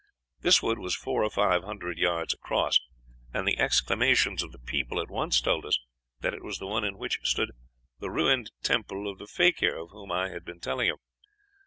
This wood was four or five hundred yards across, and the exclamations of the people at once told us that it was the one in which stood the ruined temple of the fakir of whom I have been telling you.